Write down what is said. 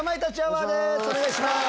お願いします。